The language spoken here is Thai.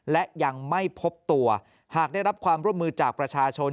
และยังไม่พบตัวหากได้รับความร่วมมือจากประชาชน